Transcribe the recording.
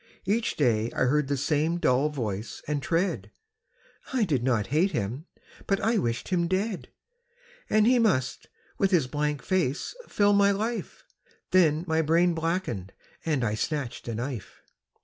Each day I heard the same dull voice and tread; I did not hate him: but I wished him dead. And he must with his blank face fill my life Then my brain blackened; and I snatched a knife.